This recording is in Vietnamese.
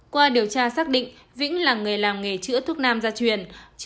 qua điều tra xác định vĩnh là người làm nghề chữa thuốc nam gia truyền